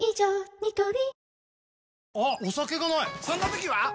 ニトリ